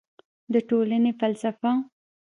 د ټولنې فلسفه